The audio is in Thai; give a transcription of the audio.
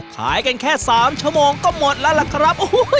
ขายกันแค่๓ชั่วโมงก็หมดแล้วล่ะครับ